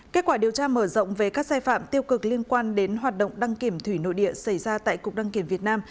kết quả điều tra mở rộng về các sai phạm tiêu cực liên quan đến hoạt động đăng kiểm thủy nội địa xảy ra tại cục đăng kiểm việt nam